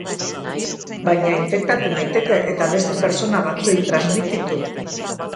Baina, infektatu naiteke eta beste pertsona batzuei transmititu.